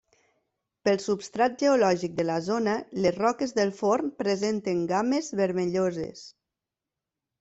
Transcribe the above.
Pel substrat geològic de la zona, les roques del forn presenten gammes vermelloses.